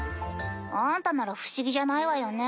あんたなら不思議じゃないわよね。